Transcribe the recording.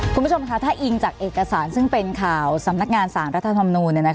คุณผู้ชมค่ะถ้าอิงจากเอกสารซึ่งเป็นข่าวสำนักงานสารรัฐธรรมนูล